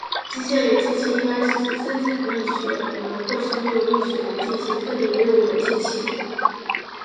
机械类机器一般是指产生力学能或是利用力学能进行特定任务的机器。